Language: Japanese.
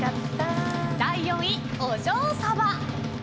第４位、お嬢サバ。